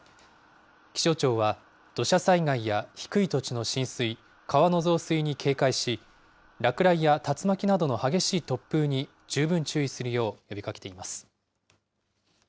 気象庁は、土砂災害や低い土地の浸水、川の増水に警戒し、落雷や竜巻などの激しい突風に十分注意するよう呼びかけています。